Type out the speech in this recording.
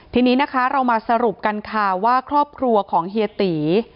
ทีนี้นะคะเรามาสรุปกันค่ะว่าครอบครัวของเฮียตี